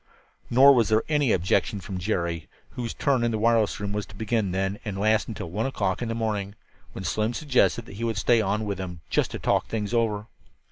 Nor was there any objection from Jerry, whose turn in the wireless room was to begin then and last until one o'clock in the morning, when Slim suggested that he would stay on with him, "just to talk things over."